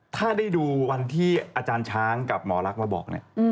ถ้าได้ดูวันที่อาจารย์ช้างกับหมอลักษณ์มาบอกเนี่ย